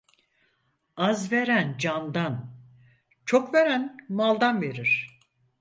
Az veren candan, çok veren maldan verir.